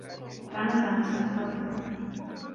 كان سامي سينتظر.